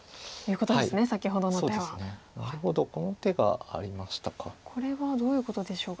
この手がありましたか。